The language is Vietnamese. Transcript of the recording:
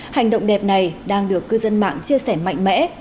hành động đẹp này đang được cư dân mạng chia sẻ mạnh mẽ